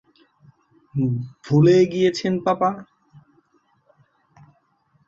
ভুলে গিয়েছেন, পাপা?